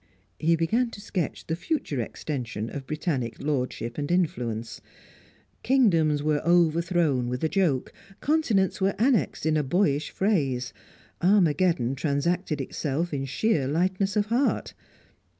He began to sketch the future extension of Britannic lordship and influence. Kingdoms were overthrown with a joke, continents were annexed in a boyish phrase; Armageddon transacted itself in sheer lightness of heart.